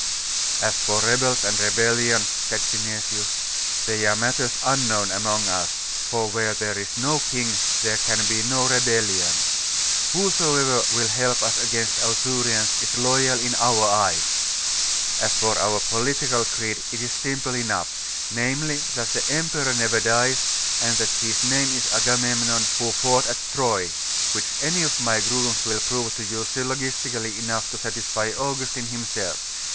'As for rebels and rebellion,' said Synesius, 'they are matters unknown among as; for where there is no king there can be no rebellion. Whosoever will help us against Ausurians is loyal in our eyes. And as for our political creed, it is simple enough namely, that the emperor never dies, and that his name is Agamemnon, who fought at Troy; which any of my grooms will prove to you syllogistically enough to satisfy Augustine himself.